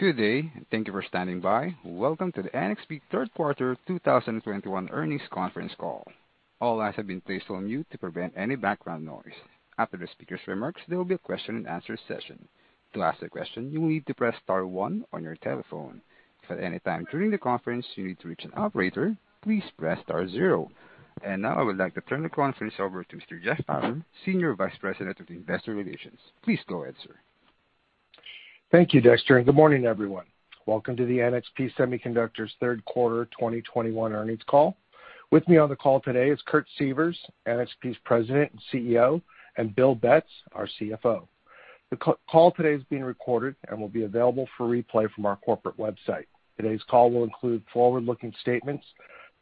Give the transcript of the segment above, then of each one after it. Good day. Thank you for standing by. Welcome to the NXP third quarter 2021 earnings conference call. All lines have been placed on mute to prevent any background noise. After the speaker's remarks, there will be a question and answer session. To ask a question, you will need to press star one on your telephone. If at any time during the conference you need to reach an operator, please press star zero. Now I would like to turn the conference over to Mr. Jeff Palmer, Senior Vice President of Investor Relations. Please go ahead, sir. Thank you, Dexter, and good morning, everyone. Welcome to the NXP Semiconductors third quarter 2021 earnings call. With me on the call today is Kurt Sievers, NXP's President and CEO, and Bill Betz, our CFO. The call today is being recorded and will be available for replay from our corporate website. Today's call will include forward-looking statements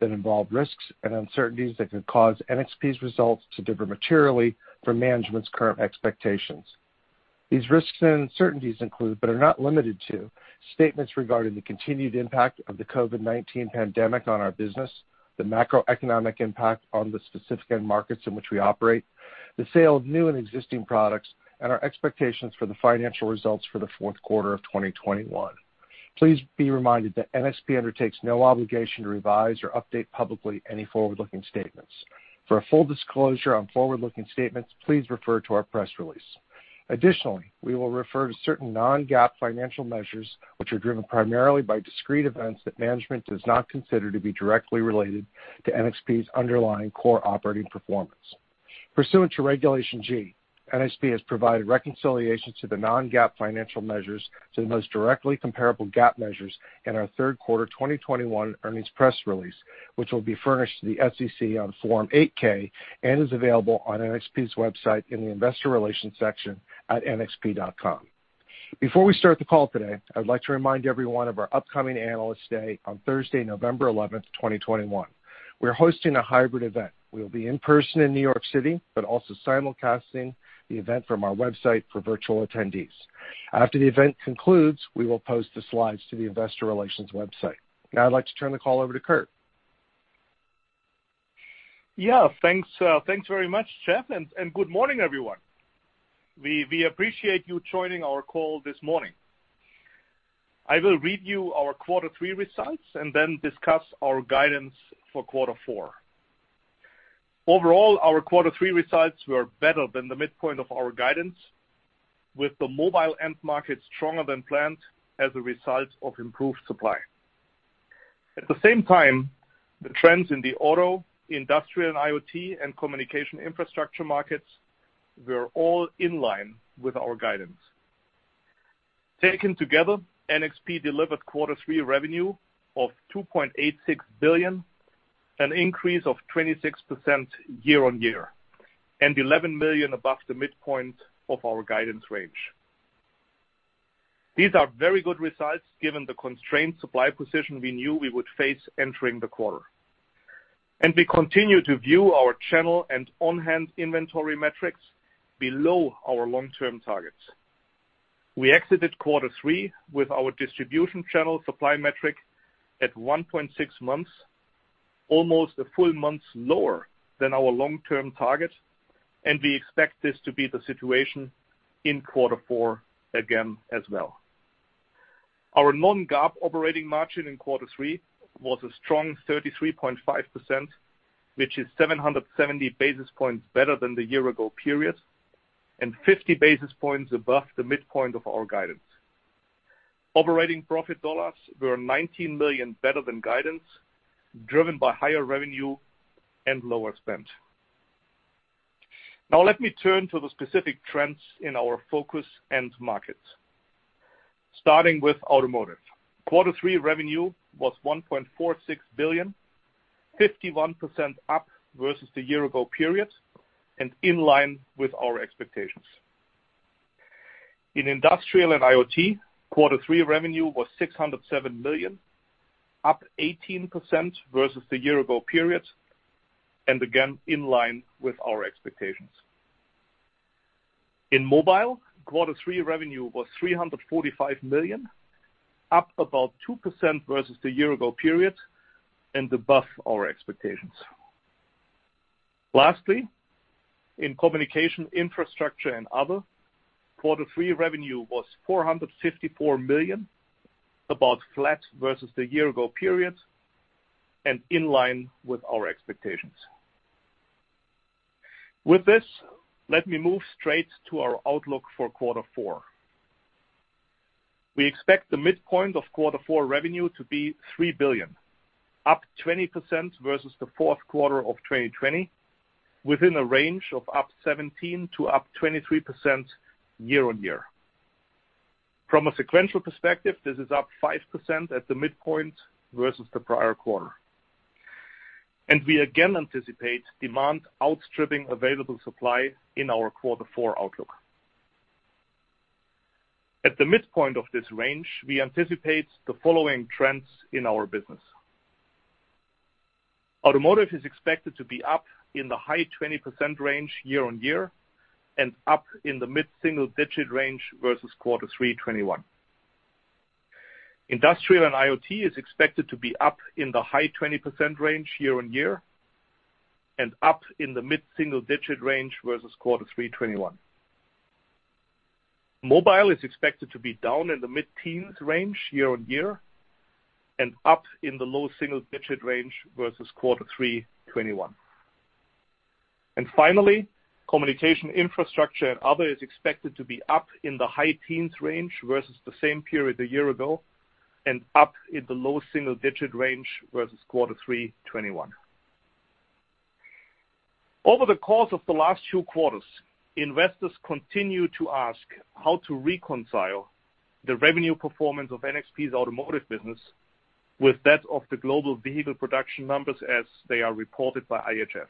that involve risks and uncertainties that could cause NXP's results to differ materially from management's current expectations. These risks and uncertainties include, but are not limited to, statements regarding the continued impact of the COVID-19 pandemic on our business, the macroeconomic impact on the specific end markets in which we operate, the sale of new and existing products, and our expectations for the financial results for the fourth quarter of 2021. Please be reminded that NXP undertakes no obligation to revise or update publicly any forward-looking statements. For a full disclosure on forward-looking statements, please refer to our press release. Additionally, we will refer to certain non-GAAP financial measures, which are driven primarily by discrete events that management does not consider to be directly related to NXP's underlying core operating performance. Pursuant to Regulation G, NXP has provided reconciliations to the non-GAAP financial measures to the most directly comparable GAAP measures in our third quarter 2021 earnings press release, which will be furnished to the SEC on Form 8-K and is available on NXP's website in the investor relations section at nxp.com. Before we start the call today, I would like to remind everyone of our upcoming Analyst Day on Thursday, November 11, 2021. We are hosting a hybrid event. We will be in person in New York City, but also simulcasting the event from our website for virtual attendees. After the event concludes, we will post the slides to the investor relations website. Now I'd like to turn the call over to Kurt. Thanks very much, Jeff, and good morning, everyone. We appreciate you joining our call this morning. I will read you our quarter three results and then discuss our guidance for quarter four. Overall, our quarter three results were better than the midpoint of our guidance, with the mobile end market stronger than planned as a result of improved supply. At the same time, the trends in the auto, industrial and IoT, and communication infrastructure markets were all in line with our guidance. Taken together, NXP delivered quarter three revenue of $2.86 billion, an increase of 26% year-on-year, and $11 million above the midpoint of our guidance range. These are very good results given the constrained supply position we knew we would face entering the quarter. We continue to view our channel and on-hand inventory metrics below our long-term targets. We exited quarter three with our distribution channel supply metric at 1.6 months, almost a full month lower than our long-term target, and we expect this to be the situation in quarter four again as well. Our non-GAAP operating margin in quarter three was a strong 33.5%, which is 770 basis points better than the year ago period and 50 basis points above the midpoint of our guidance. Operating profit dollars were $19 million better than guidance, driven by higher revenue and lower spend. Now let me turn to the specific trends in our focus end markets. Starting with automotive. Quarter three revenue was $1.46 billion, 51% up versus the year ago period and in line with our expectations. In industrial and IoT, quarter three revenue was $607 million, up 18% versus the year-ago period, and again, in line with our expectations. In mobile, quarter three revenue was $345 million, up about 2% versus the year-ago period and above our expectations. Lastly, in communication infrastructure and other, quarter three revenue was $454 million, about flat versus the year-ago period and in line with our expectations. With this, let me move straight to our outlook for quarter four. We expect the midpoint of quarter four revenue to be $3 billion, up 20% versus the fourth quarter of 2020, within a range of up 17% to up 23% year-over-year. From a sequential perspective, this is up 5% at the midpoint versus the prior quarter. We again anticipate demand outstripping available supply in our quarter four outlook. At the midpoint of this range, we anticipate the following trends in our business. Automotive is expected to be up in the high 20% range year-on-year and up in the mid-single-digit range versus quarter three 2021. Industrial and IoT is expected to be up in the high 20% range year-on-year and up in the mid-single-digit range versus quarter three 2021. Mobile is expected to be down in the mid-teens range year-on-year and up in the low single-digit range versus quarter three 2021. Finally, communication infrastructure and other is expected to be up in the high teens range versus the same period a year ago and up in the low single-digit range versus quarter three 2021. Over the course of the last two quarters, investors continue to ask how to reconcile the revenue performance of NXP's automotive business with that of the global vehicle production numbers as they are reported by IHS.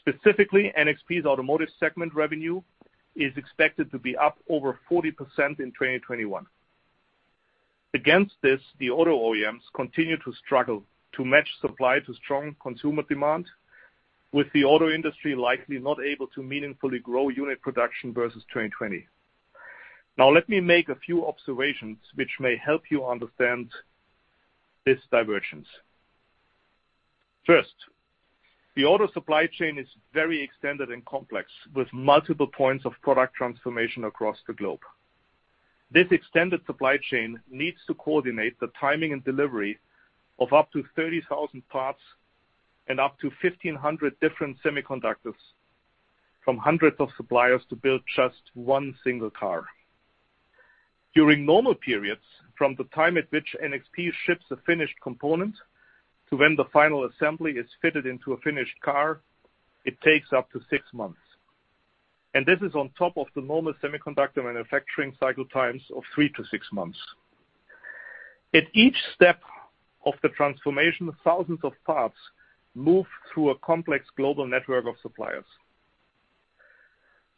Specifically, NXP's automotive segment revenue is expected to be up over 40% in 2021. Against this, the auto OEMs continue to struggle to match supply to strong consumer demand, with the auto industry likely not able to meaningfully grow unit production versus 2020. Now let me make a few observations which may help you understand this divergence. First, the auto supply chain is very extended and complex, with multiple points of product transformation across the globe. This extended supply chain needs to coordinate the timing and delivery of up to 30,000 parts and up to 1,500 different semiconductors from hundreds of suppliers to build just one single car. During normal periods, from the time at which NXP ships a finished component to when the final assembly is fitted into a finished car, it takes up to six months, and this is on top of the normal semiconductor manufacturing cycle times of three to six months. At each step of the transformation, thousands of parts move through a complex global network of suppliers.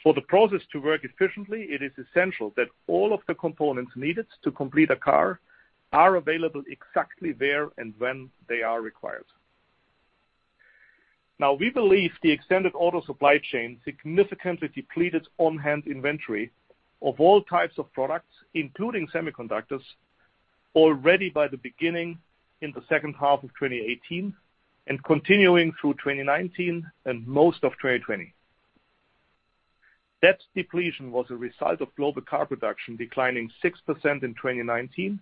For the process to work efficiently, it is essential that all of the components needed to complete a car are available exactly where and when they are required. Now, we believe the extended auto supply chain significantly depleted on-hand inventory of all types of products, including semiconductors, already by the beginning in the second half of 2018 and continuing through 2019 and most of 2020. That depletion was a result of global car production declining 6% in 2019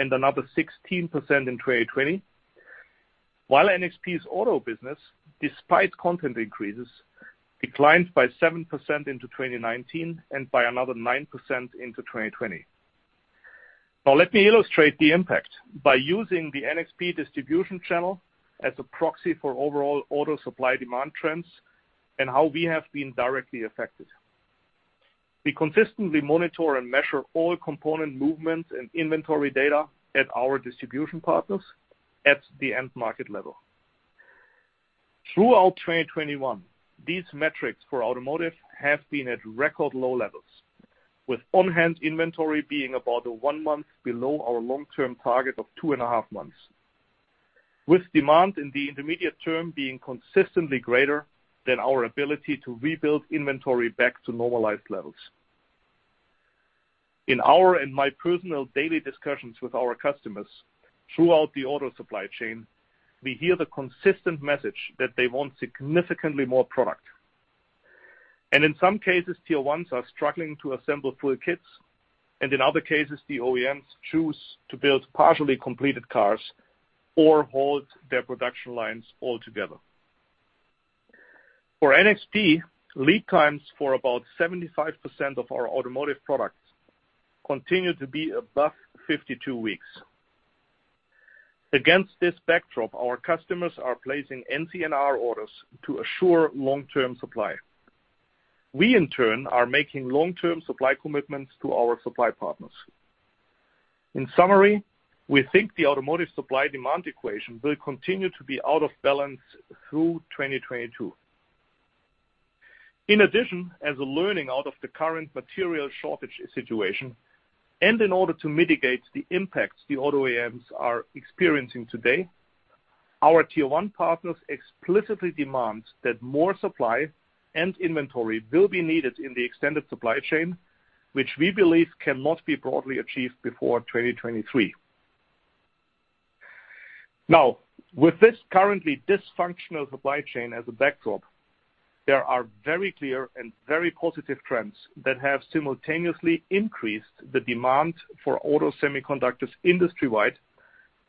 and another 16% in 2020. While NXP's auto business, despite content increases, declined by 7% in 2019 and by another 9% in 2020. Now let me illustrate the impact by using the NXP distribution channel as a proxy for overall auto supply-demand trends and how we have been directly affected. We consistently monitor and measure all component movements and inventory data at our distribution partners at the end market level. Throughout 2021, these metrics for automotive have been at record low levels, with on-hand inventory being about one month below our long-term target of 2.5 months. With demand in the intermediate term being consistently greater than our ability to rebuild inventory back to normalized levels. In our and my personal daily discussions with our customers throughout the auto supply chain, we hear the consistent message that they want significantly more product. In some cases, tier ones are struggling to assemble full kits, and in other cases, the OEMs choose to build partially completed cars or halt their production lines altogether. For NXP, lead times for about 75% of our automotive products continue to be above 52 weeks. Against this backdrop, our customers are placing NCNR orders to assure long-term supply. We, in turn, are making long-term supply commitments to our supply partners. In summary, we think the automotive supply demand equation will continue to be out of balance through 2022. In addition, as a learning out of the current material shortage situation, and in order to mitigate the impacts the auto OEMs are experiencing today, our tier one partners explicitly demand that more supply and inventory will be needed in the extended supply chain, which we believe cannot be broadly achieved before 2023. With this currently dysfunctional supply chain as a backdrop, there are very clear and very positive trends that have simultaneously increased the demand for auto semiconductors industry-wide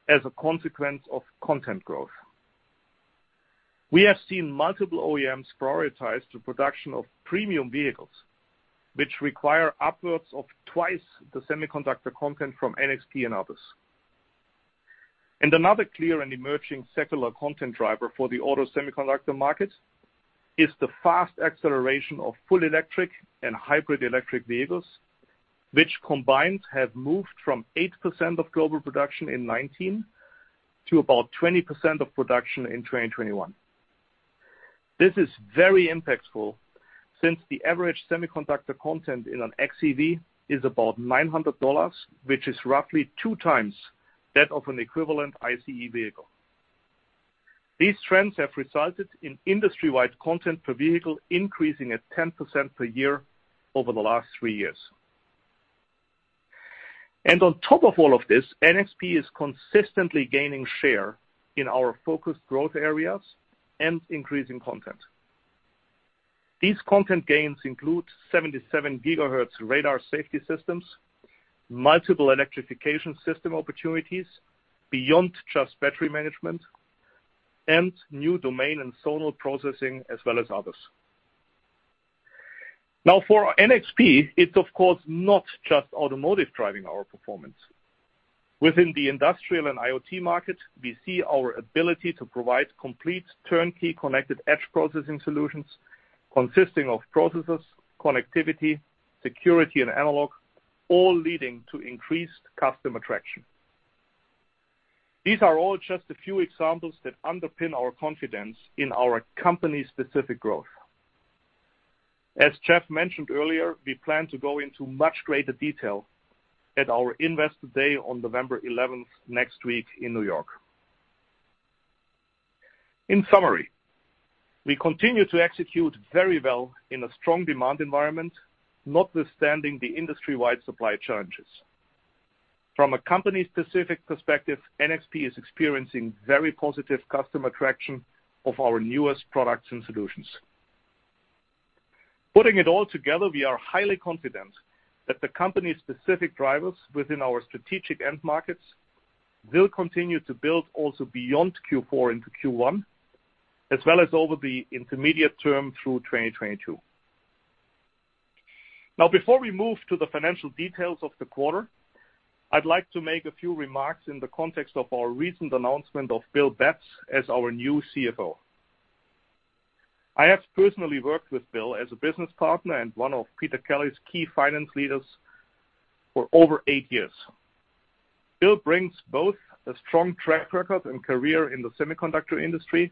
as a consequence of content growth. We have seen multiple OEMs prioritize the production of premium vehicles, which require upwards of twice the semiconductor content from NXP and others. Another clear and emerging secular content driver for the auto semiconductor market is the fast acceleration of full electric and hybrid electric vehicles, which combined have moved from 8% of global production in 2019 to about 20% of production in 2021. This is very impactful since the average semiconductor content in an xEV is about $900, which is roughly two times that of an equivalent ICE vehicle. These trends have resulted in industry-wide content per vehicle increasing at 10% per year over the last three years. On top of all of this, NXP is consistently gaining share in our focused growth areas and increasing content. These content gains include 77 GHz radar safety systems, multiple electrification system opportunities beyond just battery management, and new domain and zonal processing, as well as others. Now for NXP, it's of course not just automotive driving our performance. Within the industrial and IoT market, we see our ability to provide complete turnkey connected edge processing solutions consisting of processors, connectivity, security, and analog, all leading to increased customer traction. These are all just a few examples that underpin our confidence in our company's specific growth. As Jeff mentioned earlier, we plan to go into much greater detail at our Investor Day on November 11, next week in New York. In summary, we continue to execute very well in a strong demand environment, notwithstanding the industry-wide supply challenges. From a company-specific perspective, NXP is experiencing very positive customer traction of our newest products and solutions. Putting it all together, we are highly confident that the company's specific drivers within our strategic end markets will continue to build also beyond Q4 into Q1, as well as over the intermediate term through 2022. Now before we move to the financial details of the quarter, I'd like to make a few remarks in the context of our recent announcement of Bill Betz as our new CFO. I have personally worked with Bill as a business partner and one of Peter Kelly's key finance leaders for over eight years. Bill brings both a strong track record and career in the semiconductor industry,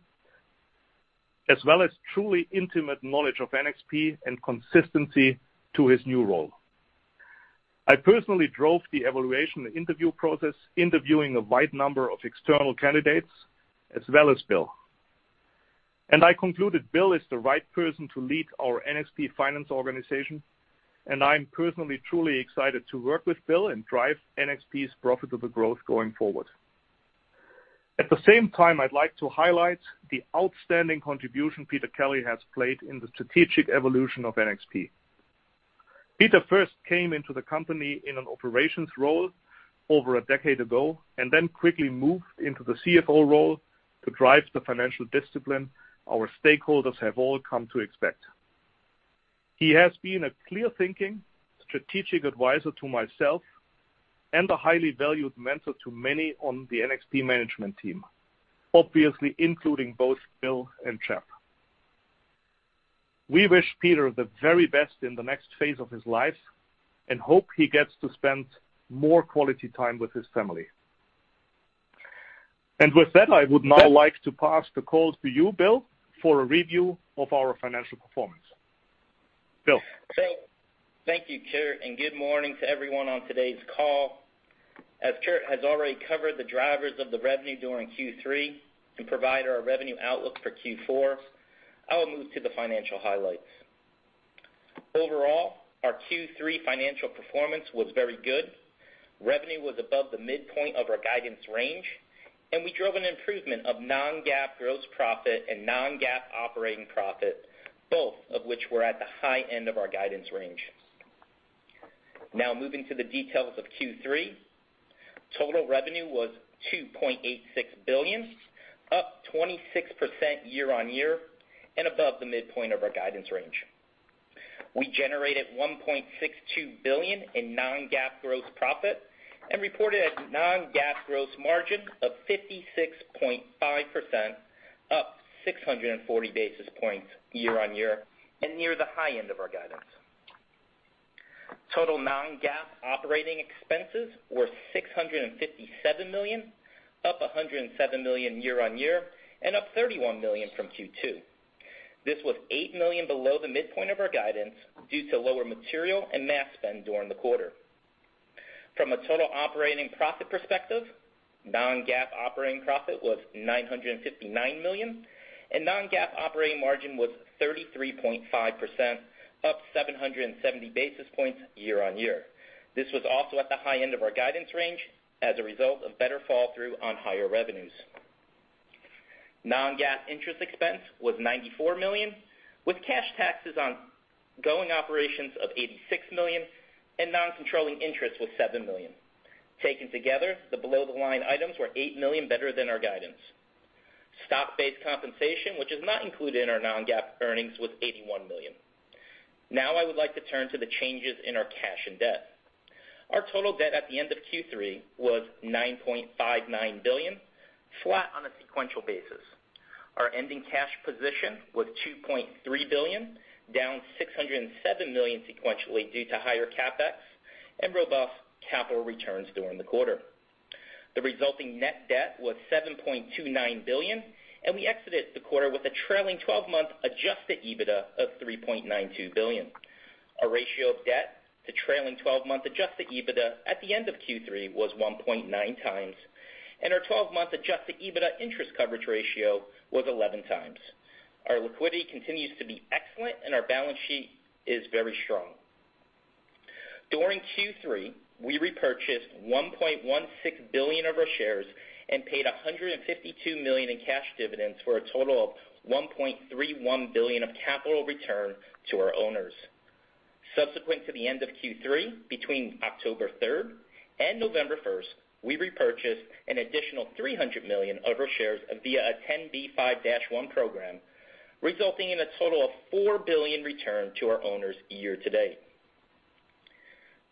as well as truly intimate knowledge of NXP and consistency to his new role. I personally drove the evaluation and interview process, interviewing a wide number of external candidates as well as Bill. I concluded Bill is the right person to lead our NXP finance organization, and I'm personally truly excited to work with Bill and drive NXP's profitable growth going forward. At the same time, I'd like to highlight the outstanding contribution Peter Kelly has played in the strategic evolution of NXP. Peter first came into the company in an operations role over a decade ago, and then quickly moved into the CFO role to drive the financial discipline our stakeholders have all come to expect. He has been a clear-thinking, strategic advisor to myself and a highly valued mentor to many on the NXP management team, obviously including both Bill and Jeff. We wish Peter the very best in the next phase of his life and hope he gets to spend more quality time with his family. With that, I would now like to pass the call to you, Bill, for a review of our financial performance. Bill? Thank you, Kurt, and good morning to everyone on today's call. As Kurt has already covered the drivers of the revenue during Q3 and provided our revenue outlook for Q4, I will move to the financial highlights. Overall, our Q3 financial performance was very good. Revenue was above the midpoint of our guidance range, and we drove an improvement of non-GAAP gross profit and non-GAAP operating profit, both of which were at the high end of our guidance range. Now moving to the details of Q3, total revenue was $2.86 billion, up 26% year-on-year and above the midpoint of our guidance range. We generated $1.62 billion in non-GAAP gross profit and reported a non-GAAP gross margin of 56.5%, up 640 basis points year-on-year and near the high end of our guidance. Total non-GAAP operating expenses were $657 million, up $107 million year-on-year and up $31 million from Q2. This was $8 million below the midpoint of our guidance due to lower material and mass spend during the quarter. From a total operating profit perspective, non-GAAP operating profit was $959 million, and non-GAAP operating margin was 33.5%, up 770 basis points year-on-year. This was also at the high end of our guidance range as a result of better fall through on higher revenues. Non-GAAP interest expense was $94 million, with cash taxes on going operations of $86 million and non-controlling interest was $7 million. Taken together, the below-the-line items were $8 million better than our guidance. Stock-based compensation, which is not included in our non-GAAP earnings, was $81 million. Now I would like to turn to the changes in our cash and debt. Our total debt at the end of Q3 was $9.59 billion, flat on a sequential basis. Our ending cash position was $2.3 billion, down $607 million sequentially due to higher CapEx and robust capital returns during the quarter. The resulting net debt was $7.29 billion, and we exited the quarter with a trailing twelve-month adjusted EBITDA of $3.92 billion. Our ratio of debt to trailing 12-month adjusted EBITDA at the end of Q3 was 1.9x, and our 12-month adjusted EBITDA interest coverage ratio was 11x. Our liquidity continues to be excellent, and our balance sheet is very strong. During Q3, we repurchased $1.16 billion of our shares and paid $152 million in cash dividends for a total of $1.31 billion of capital return to our owners. Subsequent to the end of Q3, between October 3 and November 1, we repurchased an additional $300 million of our shares via a 10B5-1 program, resulting in a total of $4 billion return to our owners year to date.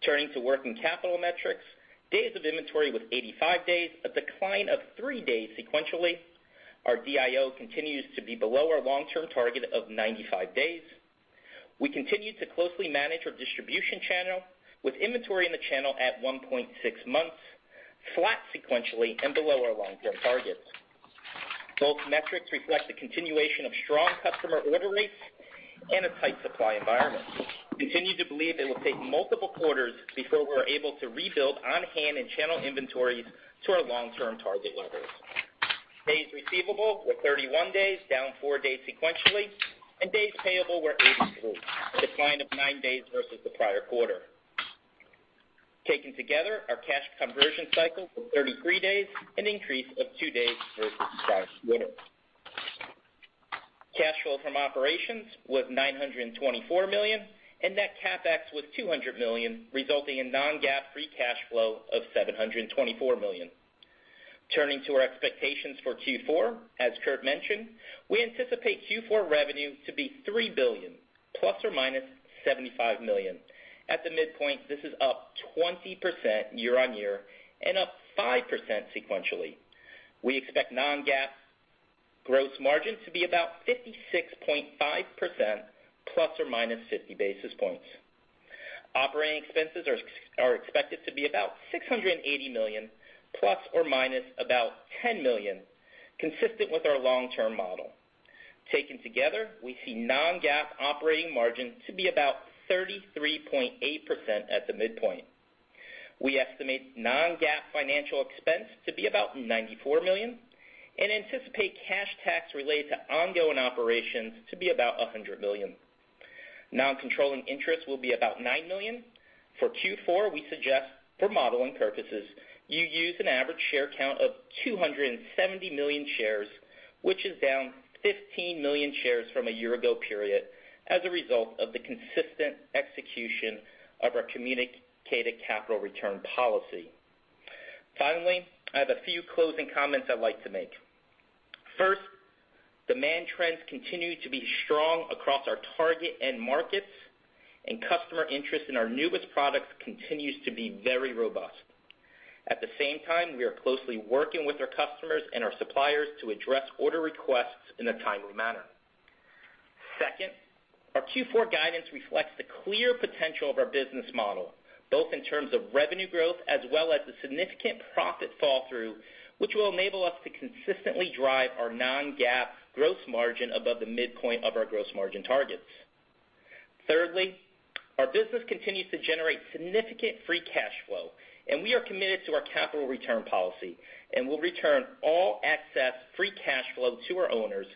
Turning to working capital metrics, days of inventory with 85 days, a decline of three days sequentially. Our DIO continues to be below our long-term target of 95 days. We continue to closely manage our distribution channel with inventory in the channel at 1.6 months, flat sequentially and below our long-term targets. Both metrics reflect the continuation of strong customer order rates and a tight supply environment. We continue to believe it will take multiple quarters before we're able to rebuild on-hand and channel inventories to our long-term target levels. Days receivable were 31 days, down four days sequentially, and days payable were 83, a decline of nine days versus the prior quarter. Taken together, our cash conversion cycle was 33 days, an increase of two days versus last quarter. Cash flow from operations was $924 million, and net CapEx was $200 million, resulting in non-GAAP free cash flow of $724 million. Turning to our expectations for Q4, as Kurt mentioned, we anticipate Q4 revenue to be $3 billion ± $75 million. At the midpoint, this is up 20% year-on-year and up 5% sequentially. We expect non-GAAP gross margin to be about 56.5% ± 50 basis points. Operating expenses are expected to be about $680 million, ±$10 million, consistent with our long-term model. Taken together, we see non-GAAP operating margin to be about 33.8% at the midpoint. We estimate non-GAAP financial expense to be about $94 million and anticipate cash tax related to ongoing operations to be about $100 million. Non-controlling interest will be about $9 million. For Q4, we suggest for modeling purposes you use an average share count of 270 million shares, which is down 15 million shares from a year ago period as a result of the consistent execution of our communicated capital return policy. Finally, I have a few closing comments I'd like to make. First, demand trends continue to be strong across our target end markets and customer interest in our newest products continues to be very robust. At the same time, we are closely working with our customers and our suppliers to address order requests in a timely manner. Second, our Q4 guidance reflects the clear potential of our business model, both in terms of revenue growth as well as the significant profit fall through, which will enable us to consistently drive our non-GAAP gross margin above the midpoint of our gross margin targets. Thirdly, our business continues to generate significant free cash flow, and we are committed to our capital return policy and will return all excess free cash flow to our owners,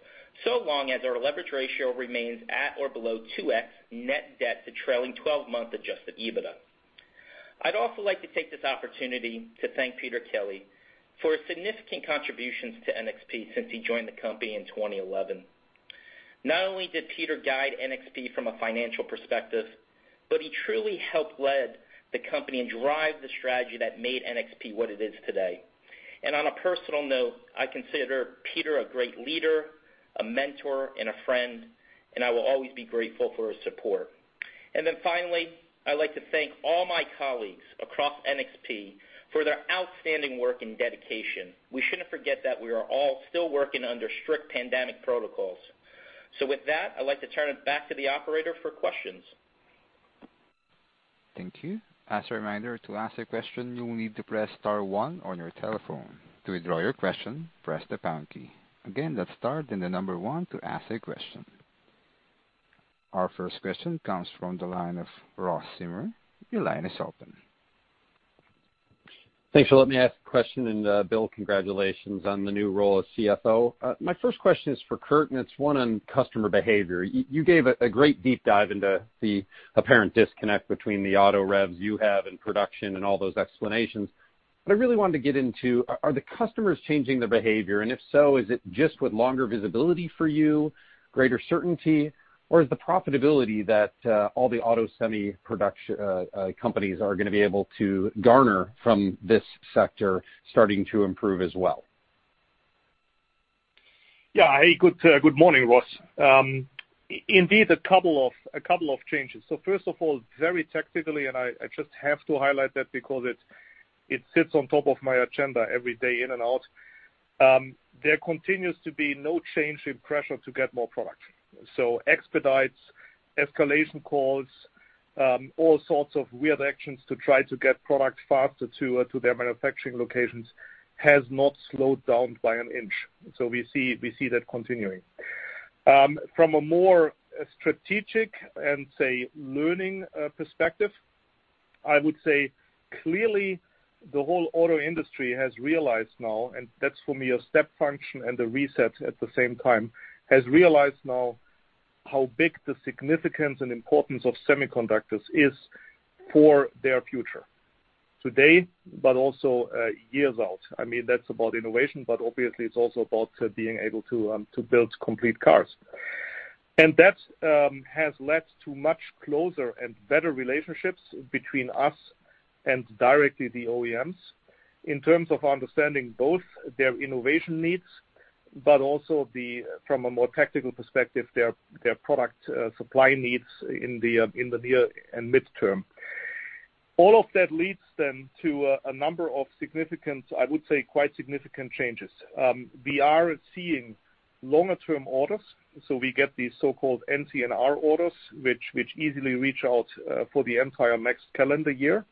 so long as our leverage ratio remains at or below 2x net debt to trailing 12-month adjusted EBITDA. I'd also like to take this opportunity to thank Peter Kelly for his significant contributions to NXP since he joined the company in 2011. Not only did Peter guide NXP from a financial perspective, but he truly helped lead the company and drive the strategy that made NXP what it is today. On a personal note, I consider Peter a great leader, a mentor, and a friend, and I will always be grateful for his support. Finally, I'd like to thank all my colleagues across NXP for their outstanding work and dedication. We shouldn't forget that we are all still working under strict pandemic protocols. With that, I'd like to turn it back to the operator for questions. Thank you. As a reminder, to ask a question, you will need to press star one on your telephone. To withdraw your question, press the pound key. Again, press star then the number one to ask a question. Our first question comes from the line of Ross Seymore. Your line is open. Thanks for letting me ask the question. Bill, congratulations on the new role as CFO. My first question is for Kurt, and it's one on customer behavior. You gave a great deep dive into the apparent disconnect between the auto revs you have in production and all those explanations. I really wanted to get into, are the customers changing their behavior? If so, is it just with longer visibility for you, greater certainty, or is the profitability that all the auto companies are gonna be able to garner from this sector starting to improve as well? Yeah. Hey, good morning, Ross. Indeed, a couple of changes. First of all, very technically, and I just have to highlight that because it sits on top of my agenda every day in and out. There continues to be no change in pressure to get more product. Expedites, escalation calls, all sorts of weird actions to try to get product faster to their manufacturing locations has not slowed down by an inch. We see that continuing. From a more strategic and, say, learning perspective, I would say clearly the whole auto industry has realized now, and that's for me a step function and a reset at the same time, has realized now how big the significance and importance of semiconductors is for their future today, but also years out. I mean, that's about innovation, but obviously it's also about being able to to build complete cars. That has led to much closer and better relationships between us and directly the OEMs in terms of understanding both their innovation needs, but also from a more tactical perspective, their product supply needs in the near and midterm. All of that leads to a number of significant, I would say quite significant changes. We are seeing longer-term orders, so we get these so-called NCNR orders, which easily reach out for the entire next calendar year.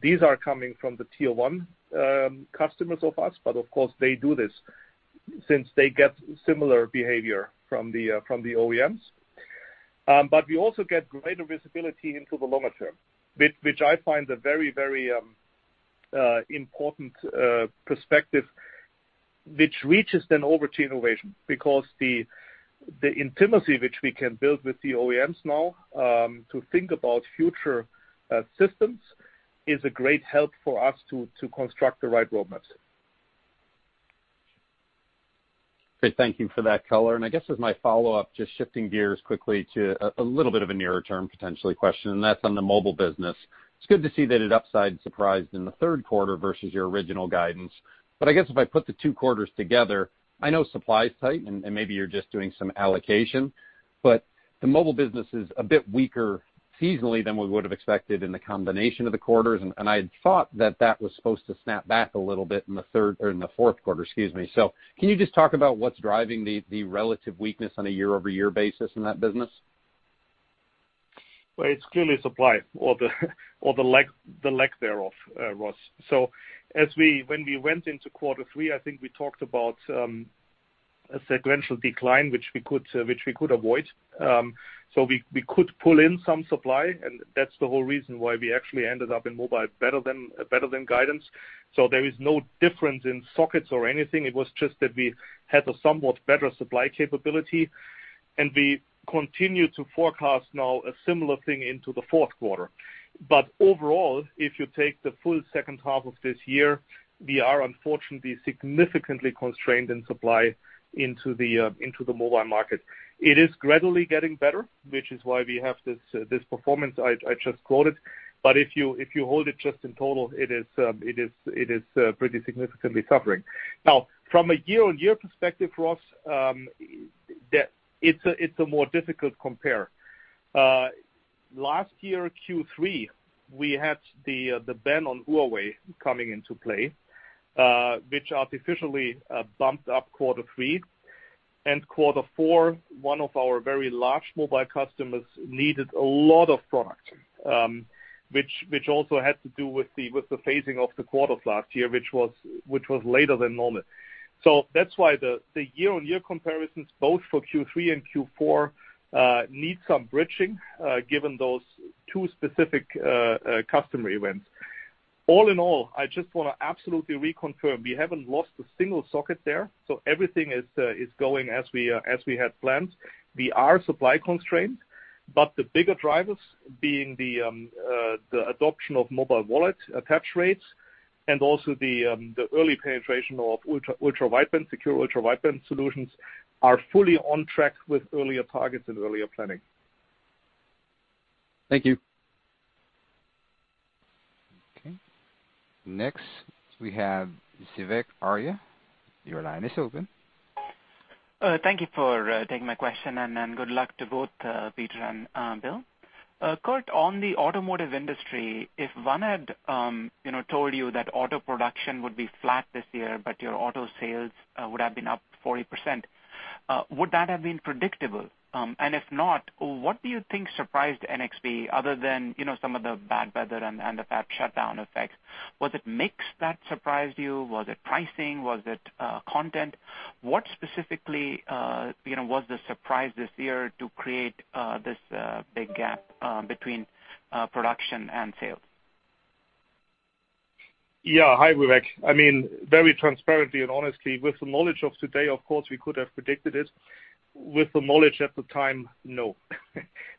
These are coming from the tier one customers of us, but of course, they do this since they get similar behavior from the OEMs. We also get greater visibility into the longer term, which I find a very important perspective, which reaches then over to innovation because the intimacy which we can build with the OEMs now to think about future systems is a great help for us to construct the right roadmaps. Great. Thank you for that color. I guess as my follow-up, just shifting gears quickly to a little bit of a nearer term, potentially question, and that's on the mobile business. It's good to see that it upside surprised in the third quarter versus your original guidance. I guess if I put the two quarters together, I know supply is tight and maybe you're just doing some allocation, but the mobile business is a bit weaker seasonally than we would have expected in the combination of the quarters. I had thought that was supposed to snap back a little bit in the third or in the fourth quarter, excuse me. Can you just talk about what's driving the relative weakness on a year-over-year basis in that business? Well, it's clearly supply or the lack thereof, Ross. When we went into quarter three, I think we talked about a sequential decline, which we could avoid. We could pull in some supply, and that's the whole reason why we actually ended up in mobile better than guidance. There is no difference in sockets or anything. It was just that we had a somewhat better supply capability, and we continue to forecast now a similar thing into the fourth quarter. Overall, if you take the full second half of this year, we are unfortunately significantly constrained in supply into the mobile market. It is gradually getting better, which is why we have this performance I just quoted. If you hold it just in total, it is pretty significantly suffering. Now, from a year-on-year perspective, Ross, it's a more difficult compare. Last year, Q3, we had the ban on Huawei coming into play, which artificially bumped up quarter three. Quarter four, one of our very large mobile customers needed a lot of product, which also had to do with the phasing of the quarters last year, which was later than normal. That's why the year-on-year comparisons, both for Q3 and Q4, need some bridging, given those two specific customer events. All in all, I just wanna absolutely reconfirm we haven't lost a single socket there, so everything is going as we had planned. We are supply constrained, but the bigger drivers being the adoption of mobile wallet attach rates and also the early penetration of ultra-wideband secure ultra-wideband solutions are fully on track with earlier targets and earlier planning. Thank you. Okay. Next, we have Vivek Arya. Your line is open. Thank you for taking my question, and good luck to both Peter and Bill. Kurt, on the automotive industry, if one had, you know, told you that auto production would be flat this year, but your auto sales would have been up 40%, would that have been predictable? If not, what do you think surprised NXP other than, you know, some of the bad weather and the fab shutdown effects? Was it mix that surprised you? Was it pricing? Was it content? What specifically, you know, was the surprise this year to create this big gap between production and sales? Yeah. Hi, Vivek. I mean, very transparently and honestly, with the knowledge of today, of course, we could have predicted it. With the knowledge at the time, no.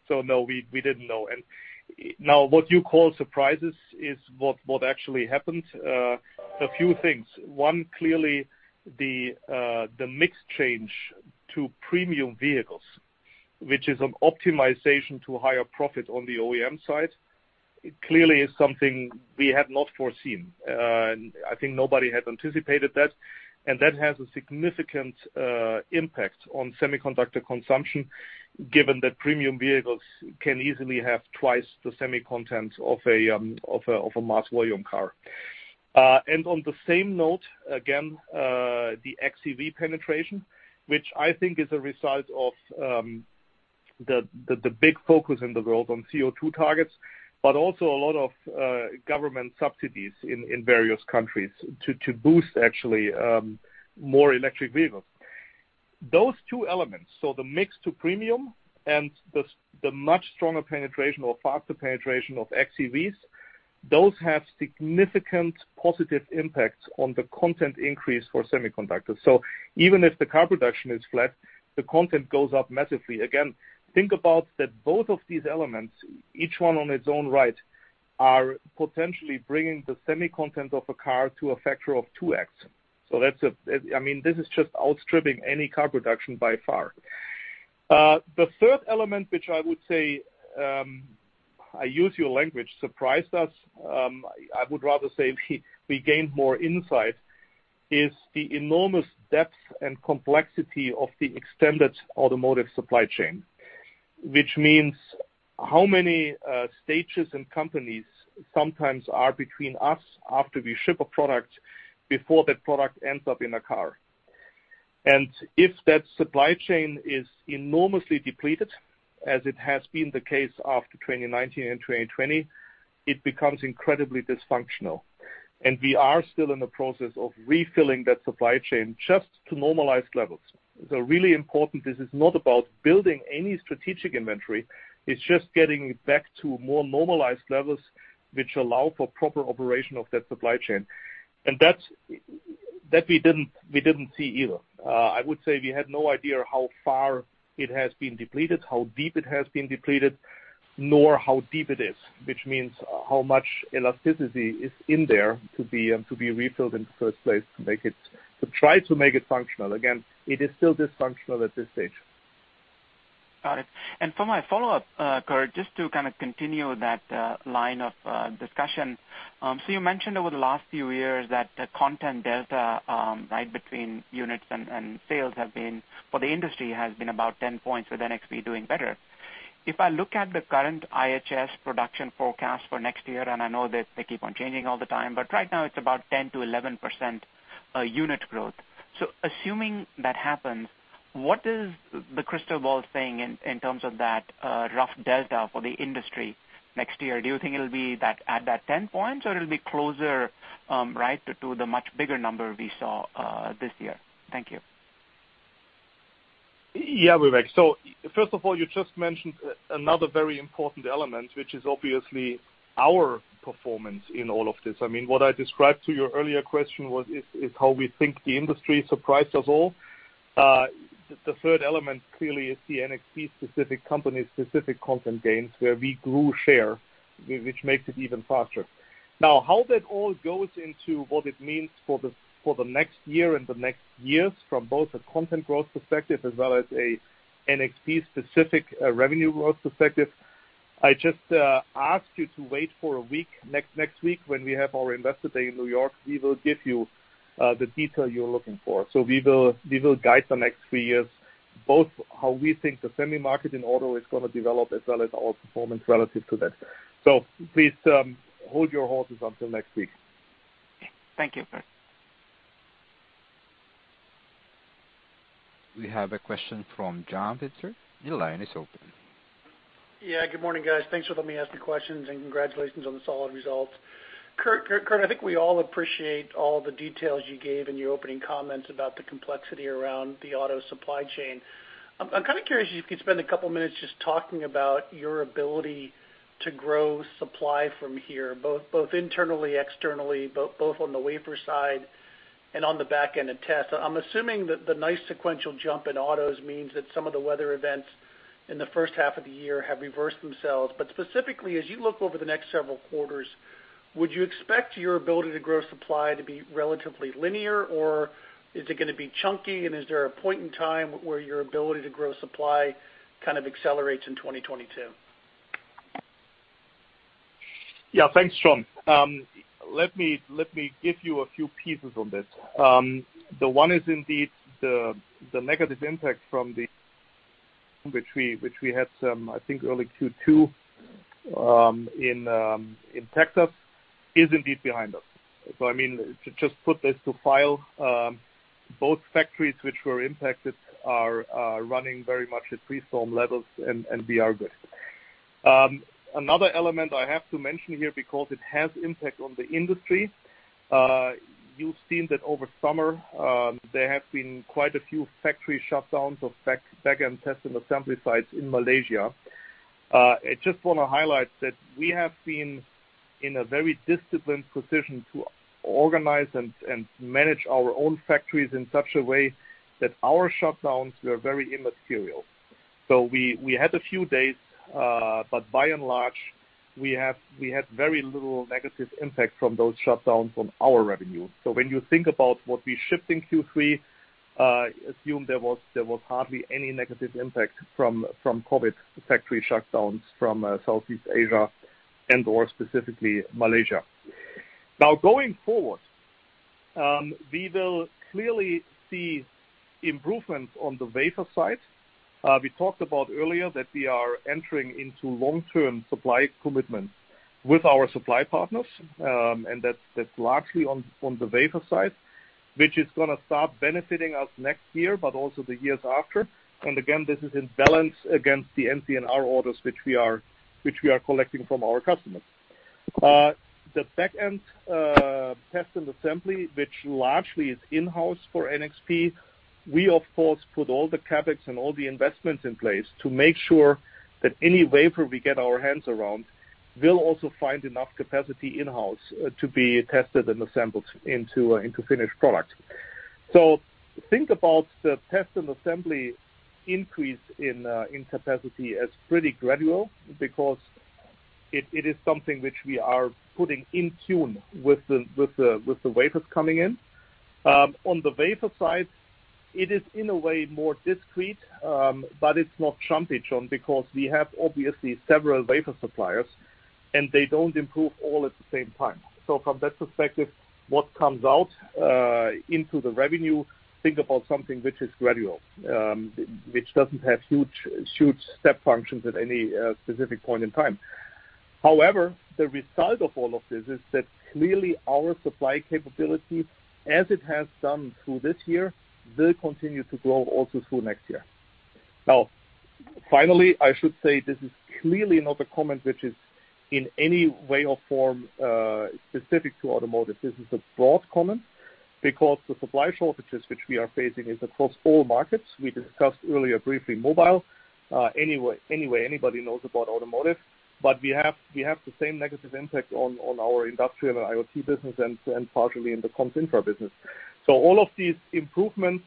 No, we didn't know. Now what you call surprises is what actually happened. A few things. One, clearly the mix change to premium vehicles, which is an optimization to higher profit on the OEM side, clearly is something we had not foreseen. I think nobody had anticipated that. That has a significant impact on semiconductor consumption, given that premium vehicles can easily have twice the semi content of a mass volume car. On the same note, again, the xEV penetration, which I think is a result of the big focus in the world on CO2 targets, but also a lot of government subsidies in various countries to boost actually more electric vehicles. Those two elements, the mix to premium and the much stronger penetration or faster penetration of xEVs, those have significant positive impacts on the content increase for semiconductors. Even if the car production is flat, the content goes up massively. Again, think about that both of these elements, each one on its own right, are potentially bringing the semi content of a car to a factor of 2x. That's—I mean, this is just outstripping any car production by far. The third element, which I would say, I use your language, surprised us, I would rather say we gained more insight, is the enormous depth and complexity of the extended automotive supply chain. Which means how many stages and companies sometimes are between us after we ship a product before that product ends up in a car. If that supply chain is enormously depleted, as it has been the case after 2019 and 2020, it becomes incredibly dysfunctional. We are still in the process of refilling that supply chain just to normalize levels. Really important, this is not about building any strategic inventory, it's just getting back to more normalized levels which allow for proper operation of that supply chain. That's that we didn't see either. I would say we had no idea how far it has been depleted, how deep it has been depleted, nor how deep it is, which means how much elasticity is in there to be refilled in the first place to try to make it functional. Again, it is still dysfunctional at this stage. Got it. For my follow-up, Kurt, just to kind of continue that line of discussion. You mentioned over the last few years that the content delta right between units and sales have been, for the industry, has been about 10 points with NXP doing better. If I look at the current IHS production forecast for next year, and I know that they keep on changing all the time, but right now it's about 10%-11% unit growth. Assuming that happens, what is the crystal ball saying in terms of that rough delta for the industry next year? Do you think it'll be that at 10 points, or it'll be closer right to the much bigger number we saw this year? Thank you. Yeah, Vivek. First of all, you just mentioned another very important element, which is obviously our performance in all of this. I mean, what I described to your earlier question was how we think the industry surprised us all. The third element clearly is the NXP specific company specific content gains, where we grew share, which makes it even faster. Now, how that all goes into what it means for the next year and the next years from both a content growth perspective as well as a NXP specific revenue growth perspective, I just ask you to wait for a week. Next week when we have our Investor Day in New York, we will give you the detail you're looking for. We will guide the next three years, both how we think the semi market and auto is gonna develop, as well as our performance relative to that. Please, hold your horses until next week. Thank you. We have a question from John Pitzer. Your line is open. Yeah, good morning, guys. Thanks for letting me ask the questions, and congratulations on the solid results. Kurt, I think we all appreciate all the details you gave in your opening comments about the complexity around the auto supply chain. I'm kinda curious if you could spend a couple minutes just talking about your ability to grow supply from here, both internally, externally, both on the wafer side and on the back-end test. I'm assuming that the nice sequential jump in autos means that some of the weather events in the first half of the year have reversed themselves. But specifically, as you look over the next several quarters, would you expect your ability to grow supply to be relatively linear, or is it gonna be chunky, and is there a point in time where your ability to grow supply kind of accelerates in 2022? Yeah, thanks, John. Let me give you a few pieces on this. The one is indeed the negative impact, which we had some, I think, early Q2 in Texas, is indeed behind us. I mean, to just put this to rest, both factories which were impacted are running very much at pre-storm levels, and we are good. Another element I have to mention here because it has impact on the industry. You've seen that over summer, there have been quite a few factory shutdowns of back-end testing assembly sites in Malaysia. I just wanna highlight that we have been in a very disciplined position to organize and manage our own factories in such a way that our shutdowns were very immaterial. We had a few days, but by and large, we had very little negative impact from those shutdowns on our revenue. When you think about what we shipped in Q3, assume there was hardly any negative impact from COVID factory shutdowns from Southeast Asia and/or specifically Malaysia. Now going forward, we will clearly see improvements on the wafer side. We talked about earlier that we are entering into long-term supply commitments with our supply partners, and that's largely on the wafer side, which is gonna start benefiting us next year, but also the years after. Again, this is in balance against the NCNR orders which we are collecting from our customers. The back end, test and assembly, which largely is in-house for NXP, we of course put all the CapEx and all the investments in place to make sure that any wafer we get our hands around will also find enough capacity in-house, to be tested and assembled into finished product. Think about the test and assembly increase in capacity as pretty gradual because it is something which we are putting in tune with the wafers coming in. On the wafer side, it is in a way more discrete, but it's not chunky, John, because we have obviously several wafer suppliers, and they don't improve all at the same time. From that perspective, what comes out into the revenue, think about something which is gradual, which doesn't have huge step functions at any specific point in time. However, the result of all of this is that clearly our supply capability, as it has done through this year, will continue to grow also through next year. Now, finally, I should say this is clearly not a comment which is in any way or form specific to automotive. This is a broad comment because the supply shortages which we are facing is across all markets. We discussed earlier briefly mobile. Everybody knows about automotive, but we have the same negative impact on our industrial IoT business and partially in the comms infra business. All of these improvements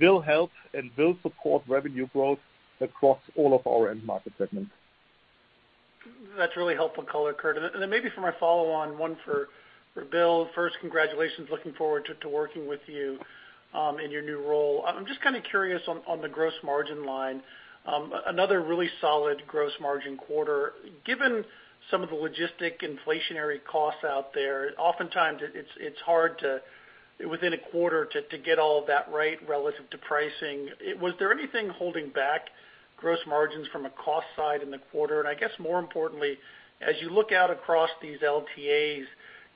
will help and will support revenue growth across all of our end market segments. That's really helpful color, Kurt. Then maybe for my follow on, one for Bill. First, congratulations. Looking forward to working with you in your new role. I'm just kind of curious on the gross margin line. Another really solid gross margin quarter. Given some of the logistics inflationary costs out there, oftentimes it's hard to, within a quarter to get all of that right relative to pricing. Was there anything holding back gross margins from a cost side in the quarter? I guess more importantly, as you look out across these LTAs,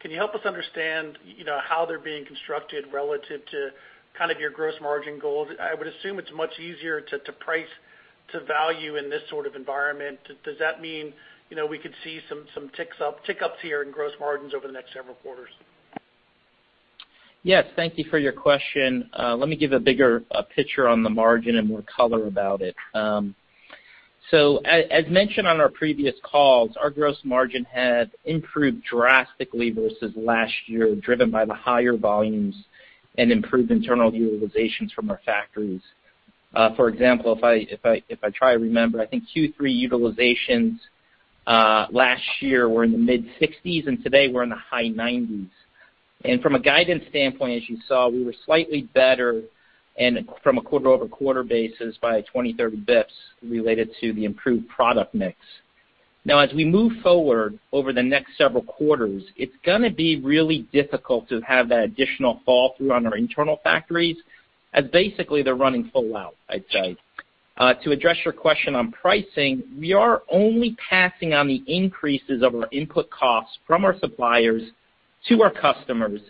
can you help us understand, you know, how they're being constructed relative to kind of your gross margin goals? I would assume it's much easier to price to value in this sort of environment. Does that mean, you know, we could see some tick-ups here in gross margins over the next several quarters? Yes. Thank you for your question. Let me give a bigger picture on the margin and more color about it. So as mentioned on our previous calls, our gross margin had improved drastically versus last year, driven by the higher volumes and improved internal utilizations from our factories. For example, if I try to remember, I think Q3 utilizations last year were in the mid-60s%, and today we're in the high 90s%. From a guidance standpoint, as you saw, we were slightly better and from a quarter-over-quarter basis by 20-30 basis points related to the improved product mix. Now as we move forward over the next several quarters, it's gonna be really difficult to have that additional fall through on our internal factories as basically they're running full out, I'd say. To address your question on pricing, we are only passing on the increases of our input costs from our suppliers to our customers,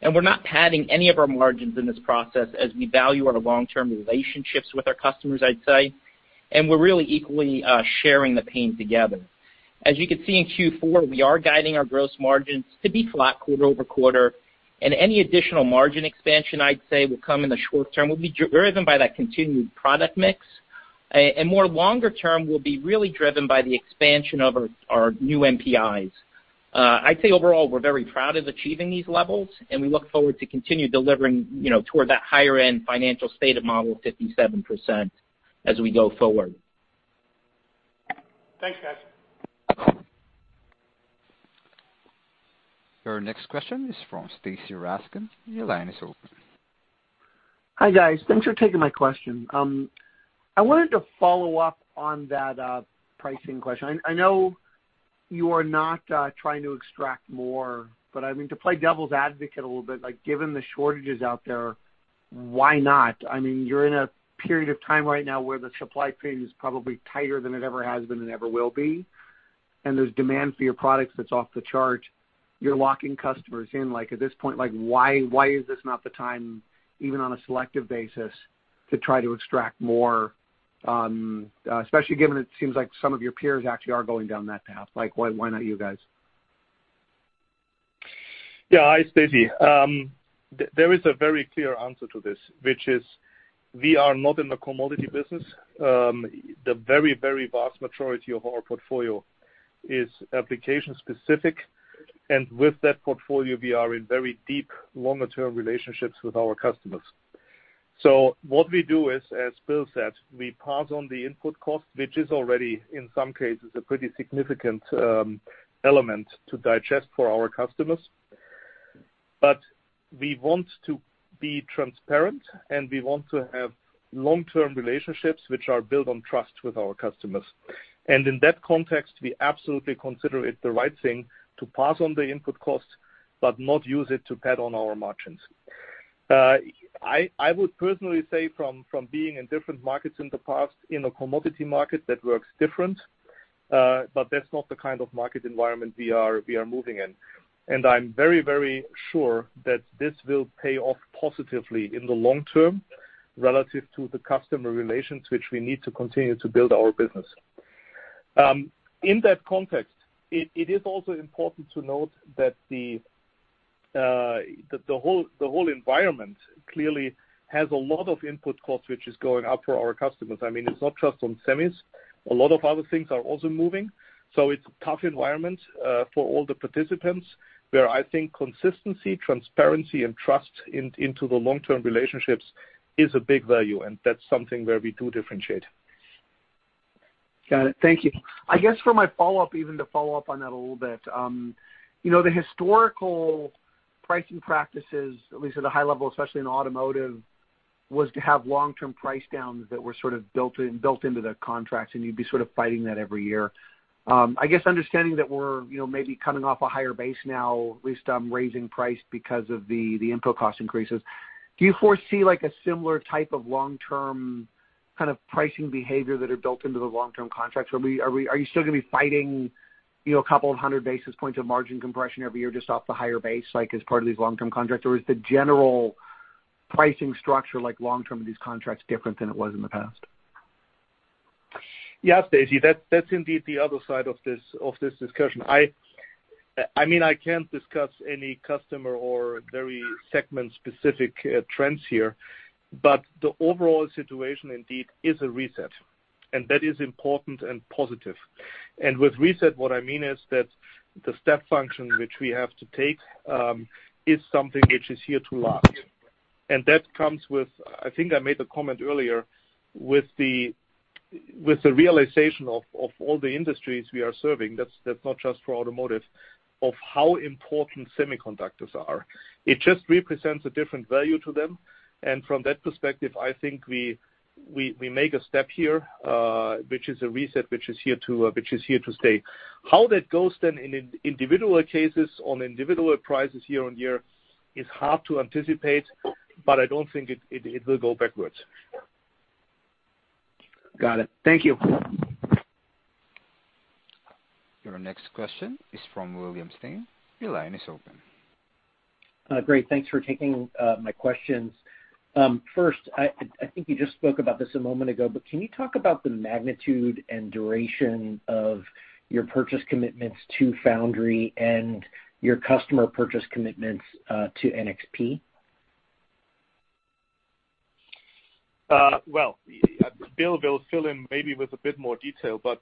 and we're not padding any of our margins in this process as we value our long-term relationships with our customers, I'd say. We're really equally sharing the pain together. As you can see in Q4, we are guiding our gross margins to be flat quarter-over-quarter, and any additional margin expansion, I'd say, will come in the short term, will be driven by that continued product mix. And more longer term will be really driven by the expansion of our new NPIs. I'd say overall, we're very proud of achieving these levels, and we look forward to continue delivering, you know, toward that higher end financial state of model 57% as we go forward. Thanks, guys. Your next question is from Stacy Rasgon. Your line is open. Hi, guys. Thanks for taking my question. I wanted to follow up on that pricing question. I know you are not trying to extract more, but I mean, to play devil's advocate a little bit, like given the shortages out there, why not? I mean, you're in a period of time right now where the supply chain is probably tighter than it ever has been and ever will be, and there's demand for your products that's off the chart. You're locking customers in, like at this point, like why is this not the time, even on a selective basis, to try to extract more, especially given it seems like some of your peers actually are going down that path? Like why not you guys? Yeah. Hi, Stacy. There is a very clear answer to this, which is we are not in the commodity business. The very, very vast majority of our portfolio is application specific, and with that portfolio, we are in very deep longer-term relationships with our customers. What we do is, as Bill said, we pass on the input cost, which is already, in some cases, a pretty significant element to digest for our customers. We want to be transparent, and we want to have long-term relationships which are built on trust with our customers. In that context, we absolutely consider it the right thing to pass on the input costs, but not use it to pad on our margins. I would personally say from being in different markets in the past, in a commodity market, that works different, but that's not the kind of market environment we are moving in. I'm very sure that this will pay off positively in the long term relative to the customer relations which we need to continue to build our business. In that context, it is also important to note that the whole environment clearly has a lot of input costs which is going up for our customers. I mean, it's not just on semis. A lot of other things are also moving. It's a tough environment for all the participants, where I think consistency, transparency, and trust into the long-term relationships is a big value, and that's something where we do differentiate. Got it. Thank you. I guess for my follow-up even to follow up on that a little bit, you know, the historical pricing practices, at least at a high level, especially in automotive, was to have long-term price downs that were sort of built in, built into the contracts, and you'd be sort of fighting that every year. I guess understanding that we're, you know, maybe coming off a higher base now, at least on raising price because of the input cost increases, do you foresee like a similar type of long-term kind of pricing behavior that are built into the long-term contracts? Are you still gonna be fighting, you know, a couple of hundred basis points of margin compression every year just off the higher base, like as part of these long-term contracts? Is the general pricing structure like long-term of these contracts different than it was in the past? Yes, Stacy, that's indeed the other side of this discussion. I mean, I can't discuss any customer or area segment-specific trends here, but the overall situation indeed is a reset, and that is important and positive. With reset, what I mean is that the step function which we have to take is something which is here to last. That comes with, I think I made the comment earlier, with the realization of all the industries we are serving, that's not just for automotive, of how important semiconductors are. It just represents a different value to them. From that perspective, I think we make a step here, which is a reset, which is here to stay. How that goes then in individual cases on individual prices year on year is hard to anticipate, but I don't think it will go backwards. Got it. Thank you. Your next question is from William Stein. Your line is open. Great. Thanks for taking my questions. First, I think you just spoke about this a moment ago, but can you talk about the magnitude and duration of your purchase commitments to Foundry and your customer purchase commitments to NXP? Well, Bill will fill in maybe with a bit more detail, but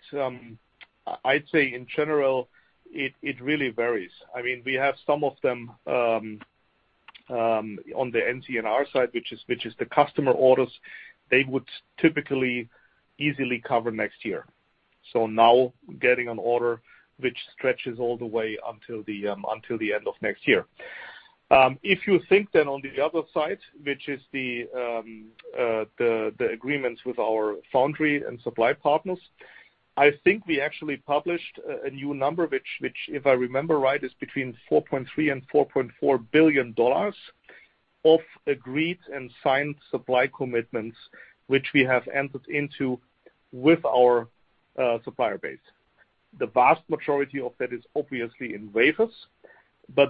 I'd say in general, it really varies. I mean, we have some of them on the NCNR side, which is the customer orders. They would typically easily cover next year. Now getting an order which stretches all the way until the end of next year. If you think then on the other side, which is the agreements with our foundry and supply partners, I think we actually published a new number, which if I remember right, is between $4.3 billion-$4.4 billion of agreed and signed supply commitments, which we have entered into with our supplier base. The vast majority of that is obviously in wafers.